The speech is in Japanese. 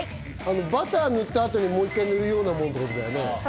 バター塗った後にもう一回塗るものってことだよね。